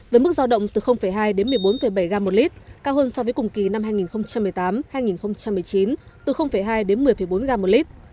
với mức giao động từ hai đến một mươi bốn bảy gram một lít cao hơn so với cùng kỳ năm hai nghìn một mươi tám hai nghìn một mươi chín từ hai đến một mươi bốn gram một lít